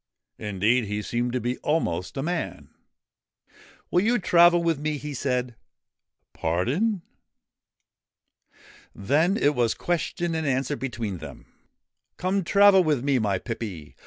Indeed, he seemed to be almost a man. 'Will you travel with me? ' he said. 'Pardon?' Then it was question and answer between them : 4 Come, travel with me, my pippy.'